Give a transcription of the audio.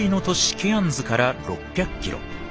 ケアンズから６００キロ。